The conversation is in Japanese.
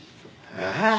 えっ？